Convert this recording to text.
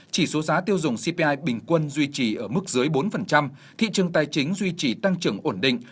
chỉ số giá tiêu dùng cpi bình quân duy trì ở mức dưới bốn thị trường tài chính duy trì tăng trưởng ổn định